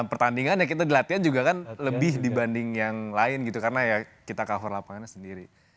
pertandingan ya kita latihan juga kan lebih dibanding yang lain gitu karena ya kita cover lapangannya sendiri